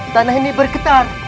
tanah ini bergetar